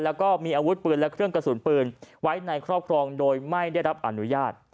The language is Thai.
แล้วก็มีอาวุธปืนและเครื่องกระสุนปืนไว้ในครอบครองโดยไม่ได้รับอนุญาต